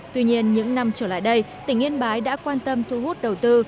tuy nhiên những năm trở lại đây tỉnh yên bái đã quan tâm thu hút đầu tư